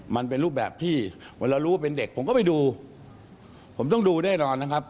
แต่ที่เวลารู้ว่าเป็นเด็กผมก็ไปดูผมต้องดูได้ด้อนนะครับ